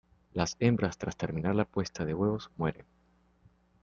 Las hembras tras terminar la puesta de huevos mueren.